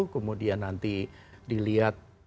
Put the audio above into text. kemudian nanti dilihat